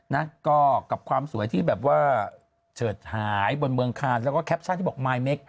นะก็กับความสวยที่แบบว่าเฉิดหายบนเมืองคานแล้วก็แคปชั่นที่บอกมายเมค